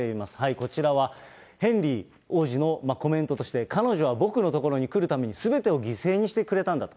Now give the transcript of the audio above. こちらは、ヘンリー王子のコメントとして、彼女は僕の所に来るためにすべてを犠牲にしてくれたんだと。